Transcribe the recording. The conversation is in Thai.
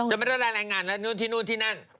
จะไปรายงานที่นู่นที่นู่นที่นั่น